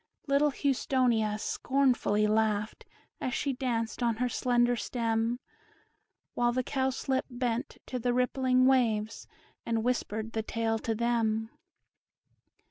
Little Houstonia scornfully laughed, As she danced on her slender stem; While the cowslip bent to the rippling waves, And whispered the tale to them.